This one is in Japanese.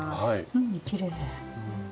うんきれい。